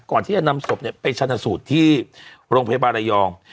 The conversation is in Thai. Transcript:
ก่อนที่จะนำศพไปชนะสูตรที่โรงพยาบาลระยอง